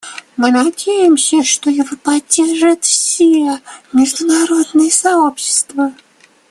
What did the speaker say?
Мы надеемся, что его поддержит все международное сообщество.